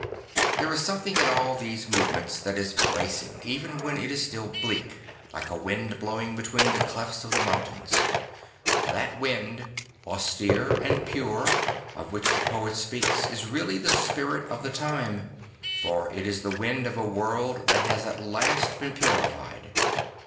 There is something in all these movements that is bracing even while it is still bleak, like a wind blowing between the clefts of the moun tains. That wind, austere and pure, of which the poet speaks, is really the spirit of the time, for it is the wind of a world that has at last been purified.